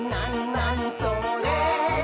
なにそれ？」